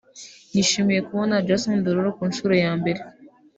“ Nishimiye kubona Jason Derulo ku nshuro ya mbere